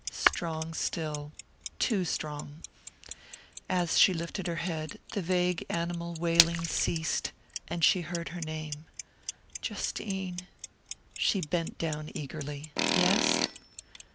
Strong still too strong! As she lifted her head, the vague animal wailing ceased, and she heard her name: "Justine " She bent down eagerly. "Yes?"